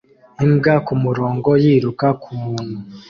Imbwa kumurongo yiruka kumuntu